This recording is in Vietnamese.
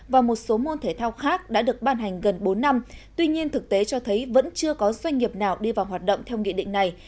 và một số môn thể thao khác đã được ban hành gần bốn năm tuy nhiên thực tế cho thấy vẫn chưa có doanh nghiệp nào đi vào hoạt động theo nghị định này